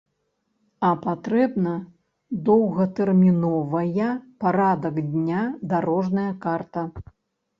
А патрэбна доўгатэрміновая парадак дня, дарожная карта.